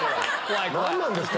何なんですか？